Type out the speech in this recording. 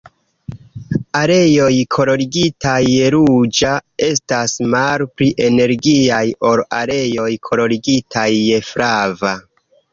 Areoj kolorigitaj je ruĝa estas malpli energiaj ol areoj kolorigitaj je flava.